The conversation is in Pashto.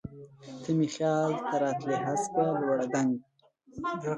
ته مي خیال ته راتلی هسکه، لوړه، دنګه